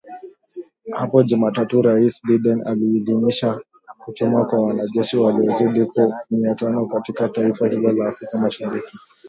Hapo Jumatatu Raisi Biden aliidhinisha kutumwa kwa wanajeshi wasiozidi mia tano katika taifa hilo la Afrika mashariki